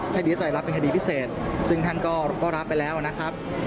ดีเอสไอรับเป็นคดีพิเศษซึ่งท่านก็รับไปแล้วนะครับ